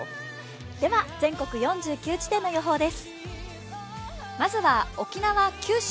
では、全国４９地点の予報です。